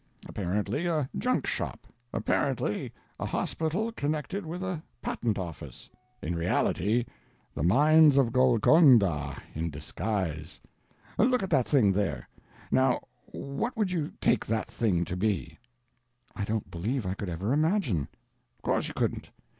Apparently a junk shop; apparently a hospital connected with a patent office—in reality, the mines of Golconda in disguise! Look at that thing there. Now what would you take that thing to be?" "I don't believe I could ever imagine." "Of course you couldn't.